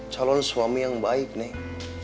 calon suami yang baik nih